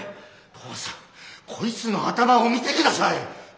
父さんこいつの頭を見て下さい！